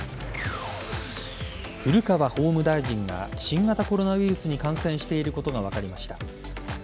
古川法務大臣が新型コロナウイルスに感染していることが分かりました。